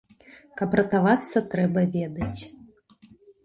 Каб ратавацца трэба ведаць.